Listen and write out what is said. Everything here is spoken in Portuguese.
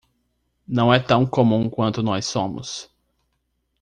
Não é tão comum quanto nós somos